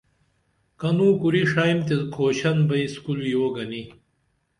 کنوں کُری شائم تے کُھوشن بئی اسکُول یو گنی